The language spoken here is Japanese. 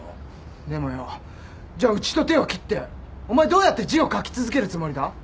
でもよじゃあうちと手を切ってお前どうやって字を書き続けるつもりだ？